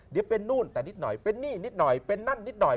เดี๋ยวเป็นนู่นแต่นิดหน่อยเป็นหนี้นิดหน่อยเป็นนั่นนิดหน่อย